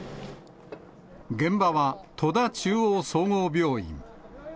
現場は戸田中央総合病院。